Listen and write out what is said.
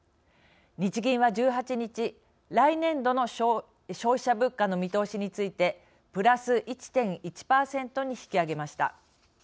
日銀は、１８日、来年度の消費者物価の見通しについてプラス１．１パーセントに引き上げました。